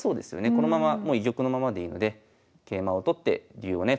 このままもう居玉のままでいいので桂馬を取って竜をね